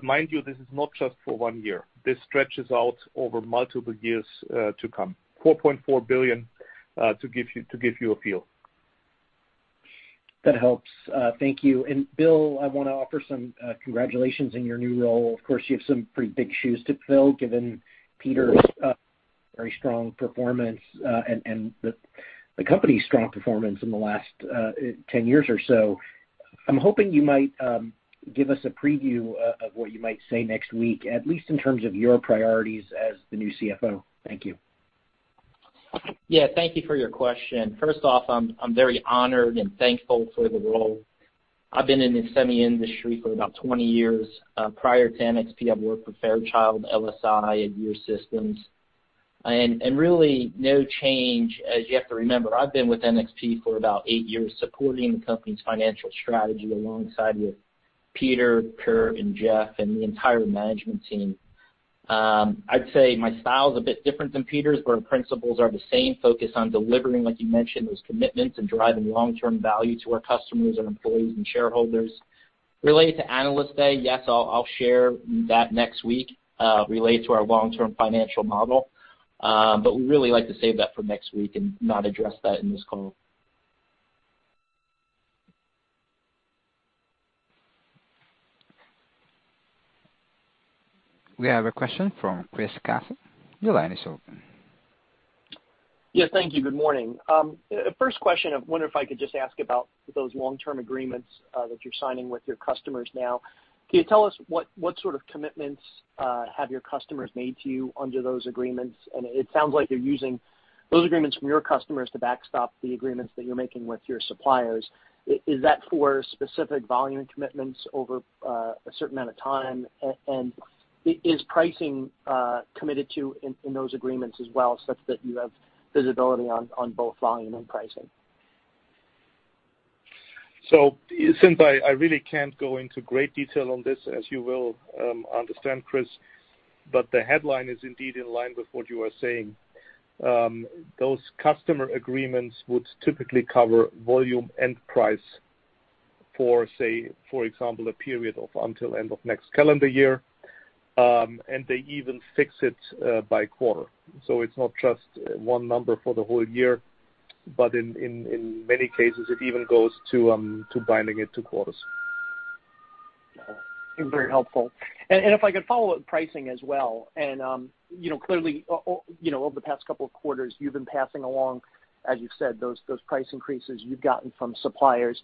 Mind you, this is not just for one year. This stretches out over multiple years to come. $4.4 billion to give you a feel. That helps. Thank you. Bill, I wanna offer some congratulations in your new role. Of course, you have some pretty big shoes to fill, given Peter's very strong performance, and the company's strong performance in the last 10 years or so. I'm hoping you might give us a preview of what you might say next week, at least in terms of your priorities as the new CFO. Thank you. Yeah. Thank you for your question. First off, I'm very honored and thankful for the role. I've been in the semi industry for about 20 years. Prior to NXP, I've worked with Fairchild, LSI, and Agere Systems. Really no change as you have to remember, I've been with NXP for about eight years supporting the company's financial strategy alongside with Peter, Kurt, and Jeff and the entire management team. I'd say my style is a bit different than Peter's, but our principles are the same focus on delivering, like you mentioned, those commitments and driving long-term value to our customers and employees and shareholders. Related to Analyst Day, yes, I'll share that next week, related to our long-term financial model. We really like to save that for next week and not address that in this call. We have a question from Chris Caso. Your line is open. Yeah. Thank you good morning. First question one if i could just ask about those long terms agreements you are signing with you customers now. Could tell us what role of commitments have your customers made you under those agreements. It sounds like you are using those agreements near customers to back stab agreements that you are making with your suppliers is that worth specific volumes of commitment made over certain amount of time and is pricing commited to in those agreements as well such that you have agreement on both time and pricing Since I really can't go into great detail on this, as you will understand, Chris. But the headline is indeed in line with what you are saying. Those customer agreements would typically cover volume and price, say, for example, a period until end of next calendar year. They even fix it by quarter. It's not just one number for the whole year, but in many cases, it even goes to binding it to quarters. Very helpful. If I could follow up pricing as well. You know, clearly you know, over the past couple of quarters, you've been passing along, as you said, those price increases you've gotten from suppliers.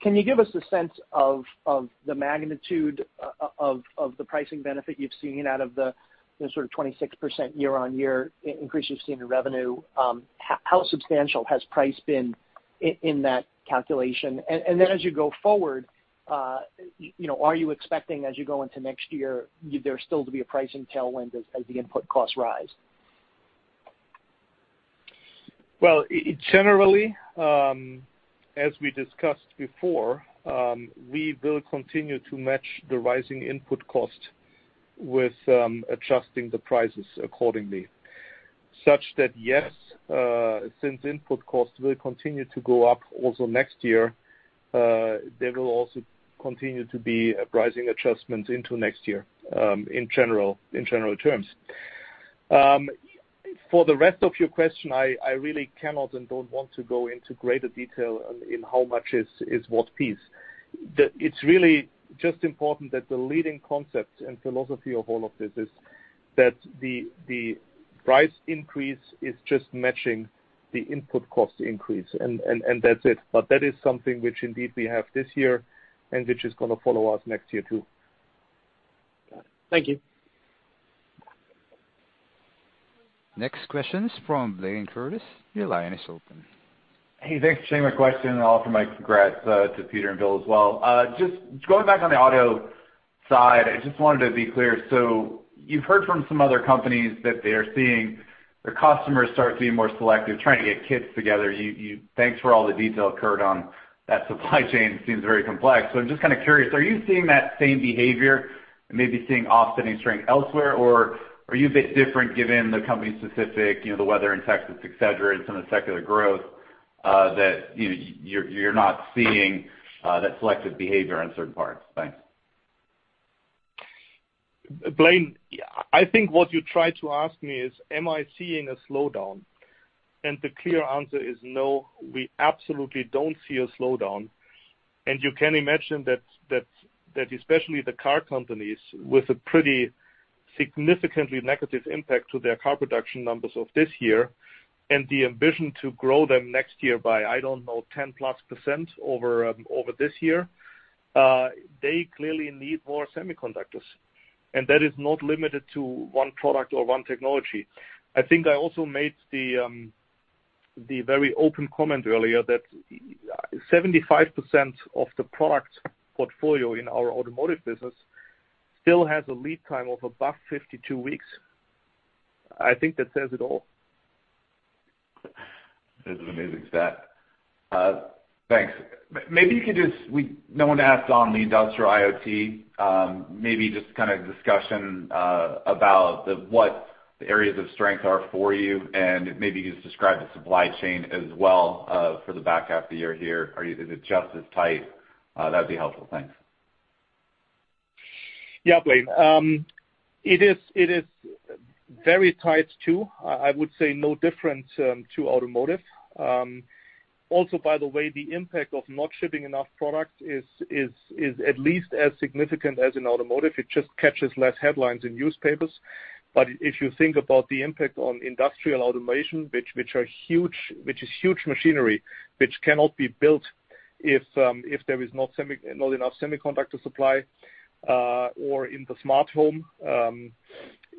Can you give us a sense of the magnitude of the pricing benefit you've seen out of the sort of 26% year-on-year increase you've seen in revenue? How substantial has price been in that calculation? Then as you go forward, you know, are you expecting as you go into next year, there still to be a pricing tailwind as the input costs rise? Well, it generally, as we discussed before, we will continue to match the rising input cost with adjusting the prices accordingly. Such that, yes, since input costs will continue to go up also next year, there will also continue to be a pricing adjustment into next year, in general terms. For the rest of your question, I really cannot and don't want to go into greater detail in how much is what piece. It's really just important that the leading concept and philosophy of all of this is that the price increase is just matching the input cost increase, and that's it. That is something which indeed we have this year and which is gonna follow us next year too. Thank you. Next question is from Blayne Curtis. Your line is open. Hey, thanks for taking my question, and I'll offer my congrats to Peter and Bill as well. Just going back on the auto side, I just wanted to be clear. You've heard from some other companies that they are seeing their customers start being more selective, trying to get kits together. Thanks for all the detail, Kurt, on that supply chain. Seems very complex. I'm just kinda curious, are you seeing that same behavior and maybe seeing offsetting strength elsewhere? Or are you a bit different given the company specific, you know, the weather in Texas, etc, and some of the secular growth that you're not seeing that selective behavior on certain parts? Thanks. Blayne, I think what you tried to ask me is, am I seeing a slowdown? The clear answer is no, we absolutely don't see a slowdown. You can imagine that especially the car companies with a pretty significantly negative impact to their car production numbers of this year and the ambition to grow them next year by, I don't know, 10%+ over this year, they clearly need more semiconductors. That is not limited to one product or one technology. I think I also made the very open comment earlier that 75% of the product portfolio in our automotive business still has a lead time of above 52 weeks. I think that says it all. That's an amazing stat. Thanks. No one asked on the industrial IoT, maybe just kind of discussion about what the areas of strength are for you and maybe you could describe the supply chain as well for the back half of the year here. Is it just as tight? That'd be helpful. Thanks. Yeah, Blayne. It is very tight too. I would say no different to automotive. Also, by the way, the impact of not shipping enough product is at least as significant as in automotive. It just catches less headlines in newspapers. If you think about the impact on industrial automation, which is huge machinery, which cannot be built if there is not enough semiconductor supply, or in the smart home,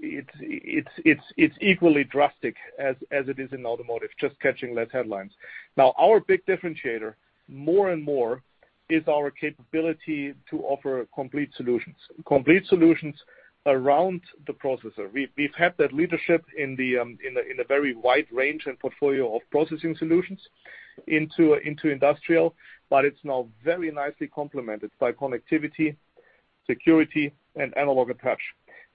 it's equally drastic as it is in automotive, just catching less headlines. Now, our big differentiator, more and more, is our capability to offer complete solutions around the processor. We've had that leadership in a very wide range and portfolio of processing solutions into industrial, but it's now very nicely complemented by connectivity, security, and analog attach,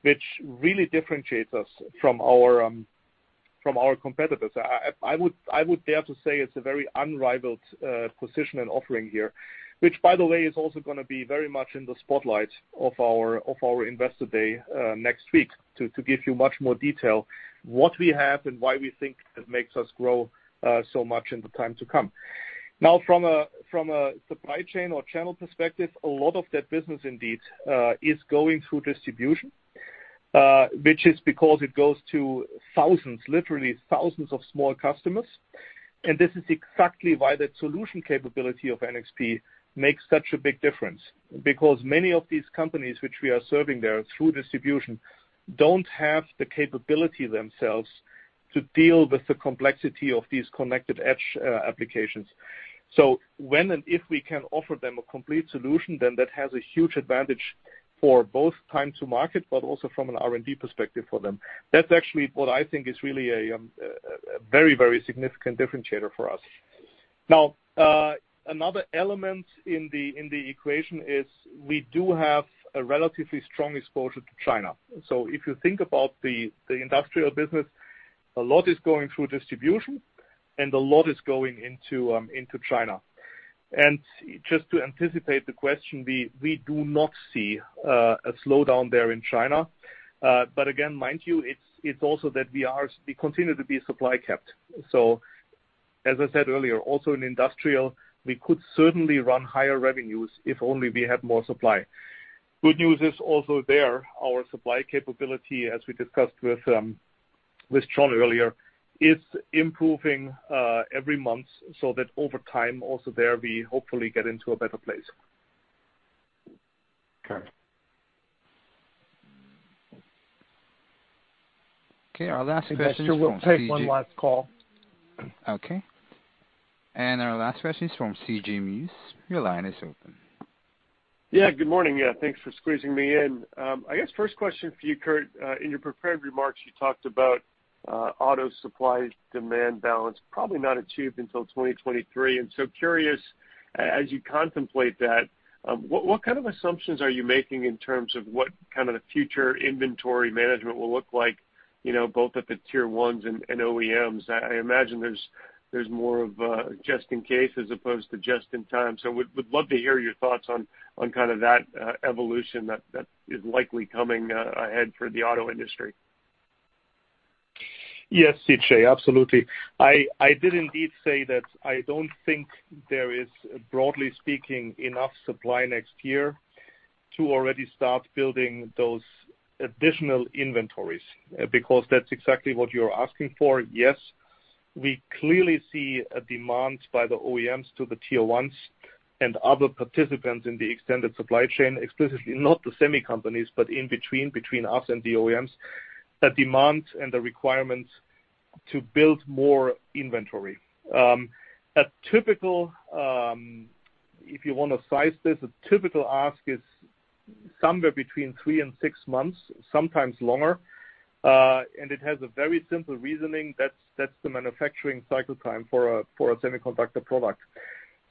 which really differentiates us from our competitors. I would dare to say it's a very unrivaled position and offering here, which, by the way, is also gonna be very much in the spotlight of our Investor Day next week to give you much more detail, what we have and why we think it makes us grow so much in the time to come. Now from a supply chain or channel perspective, a lot of that business indeed is going through distribution, which is because it goes to thousands, literally thousands of small customers. This is exactly why the solution capability of NXP makes such a big difference. Because many of these companies which we are serving there through distribution don't have the capability themselves to deal with the complexity of these connected edge applications. When and if we can offer them a complete solution, then that has a huge advantage for both time to market, but also from an R&D perspective for them. That's actually what I think is really a very significant differentiator for us. Now, another element in the equation is we do have a relatively strong exposure to China. If you think about the industrial business, a lot is going through distribution and a lot is going into China. Just to anticipate the question, we do not see a slowdown there in China. Again, mind you, it's also that we continue to be supply capped. As I said earlier, also in industrial, we could certainly run higher revenues if only we had more supply. Good news is also there, our supply capability, as we discussed with John earlier, is improving every month, so that over time also there, we hopefully get into a better place. Okay. Okay, our last question from- I guess we'll take one last call. Okay. Our last question is from C.J. Muse. Your line is open. Yeah, good morning. Yeah, thanks for squeezing me in. I guess first question for you, Kurt. In your prepared remarks, you talked about auto supply demand balance probably not achieved until 2023. Curious, as you contemplate that, what kind of assumptions are you making in terms of what kinda the future inventory management will look like, you know, both at the tier ones and OEMs? I imagine there's more of a just in case as opposed to just in time. Would love to hear your thoughts on kind of that evolution that is likely coming ahead for the auto industry. Yes, C.J., absolutely. I did indeed say that I don't think there is, broadly speaking, enough supply next year to already start building those additional inventories, because that's exactly what you're asking for. Yes, we clearly see a demand by the OEMs to the tier ones and other participants in the extended supply chain, explicitly not the semi companies, but in between us and the OEMs, a demand and a requirement to build more inventory. A typical, if you wanna size this, a typical ask is somewhere between three and six months, sometimes longer. It has a very simple reasoning. That's the manufacturing cycle time for a semiconductor product.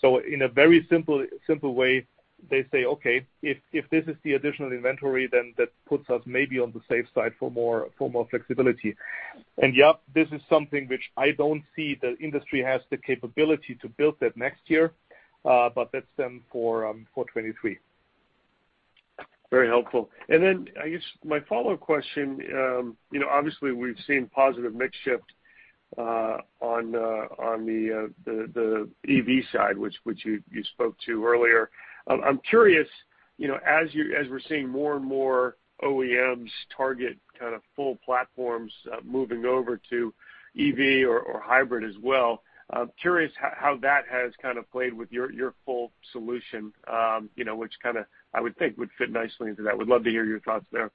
In a very simple way, they say, "Okay, if this is the additional inventory, then that puts us maybe on the safe side for more flexibility." Yeah, this is something which I don't see the industry has the capability to build that next year, but that's them for 2023. Very helpful. I guess my follow-up question, you know, obviously we've seen positive mix shift on the EV side, which you spoke to earlier. I'm curious, you know, as we're seeing more and more OEMs target kind of full platforms moving over to EV or hybrid as well, I'm curious how that has kind of played with your full solution, you know, which kinda I would think would fit nicely into that. Would love to hear your thoughts there.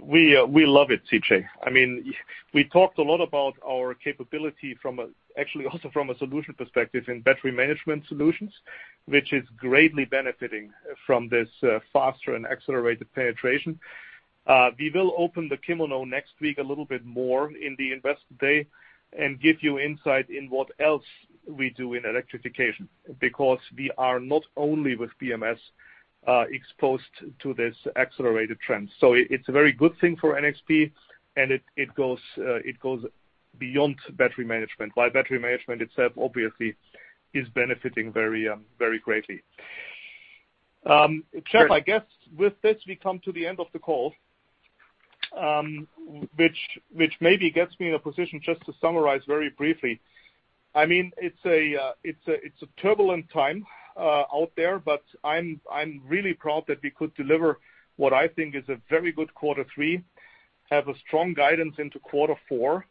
We love it, C.J. I mean, we talked a lot about our capability actually also from a solution perspective in battery management solutions, which is greatly benefiting from this faster and accelerated penetration. We will open the kimono next week a little bit more in the Investor Day and give you insight in what else we do in electrification, because we are not only with BMS exposed to this accelerated trend. It's a very good thing for NXP, and it goes beyond battery management. While battery management itself obviously is benefiting very greatly. Kurt, I guess with this we come to the end of the call, which maybe gets me in a position just to summarize very briefly. I mean, it's a turbulent time out there, but I'm really proud that we could deliver what I think is a very good quarter three, have a strong guidance into quarter four.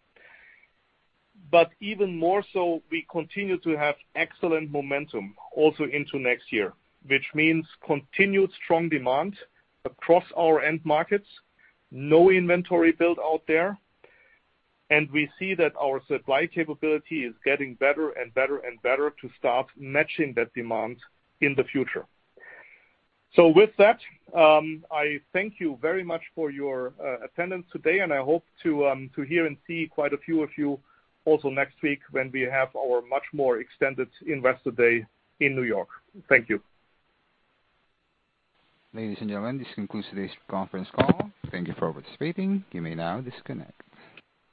Even more so, we continue to have excellent momentum also into next year, which means continued strong demand across our end markets, no inventory build out there, and we see that our supply capability is getting better and better and better to start matching that demand in the future. With that, I thank you very much for your attendance today, and I hope to hear and see quite a few of you also next week when we have our much more extended Investor Day in New York. Thank you. Ladies and gentlemen, this concludes today's conference call. Thank you for participating. You may now disconnect.